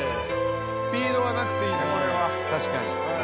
スピードはなくていいな確かに長えな